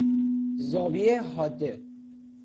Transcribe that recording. زاویۀ حاده